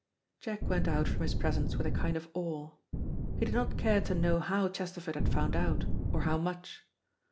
Jack went out from his presence with a kind of awe. He did not care to know how Chesterford had found out, or how much.